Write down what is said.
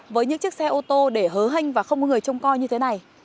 với những chiếc xe ô tô để hớ hênh và không có người trông coi như thế này